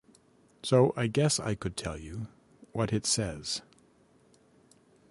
So I guess I could tell you what it says.